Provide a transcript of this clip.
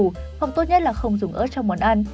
không tốt nhất là không dùng ớt trong món ăn